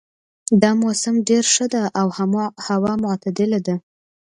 دا موسم ډېر ښه ده او هوا معتدله ده